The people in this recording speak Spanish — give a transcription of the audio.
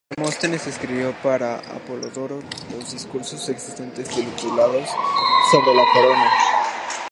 Demóstenes escribió para Apolodoro los dos discursos existentes titulados "Sobre la corona".